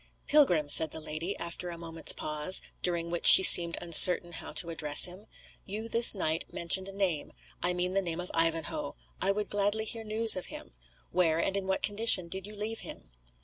"Pilgrim," said the lady, after a moment's pause, during which she seemed uncertain how to address him, "you this night mentioned a name I mean the name of Ivanhoe I would gladly hear news of him. Where and in what condition did you leave him?"